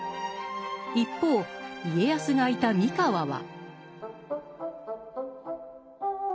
一方家康がいた三河は。